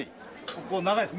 ここ長いです。